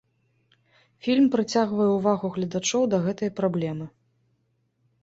Фільм прыцягвае ўвагу гледачоў да гэтай праблемы.